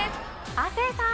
亜生さん。